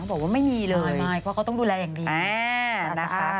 บอกว่าไม่มีเลยไม่เพราะเขาต้องดูแลอย่างดีนะคะ